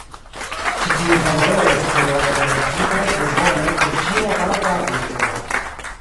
Ĉi tiuj valoroj estas plejofte elektitaj plej bone por ĉiu aparta apliko.